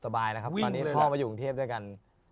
สบายแล้วครับตอนนี้พ่อมาอยู่กรุงเทพด้วยกัน